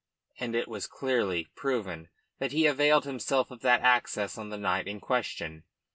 And it was clearly proven that he availed himself of that access on the night in question.